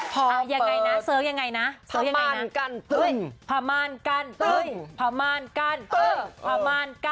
พระม่านกันปึง